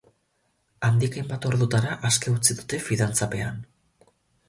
Handik hainbat ordutara aske utzi dute fidantzapean.